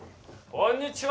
こんにちは。